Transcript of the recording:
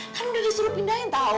kan udah disuruh pindahin tau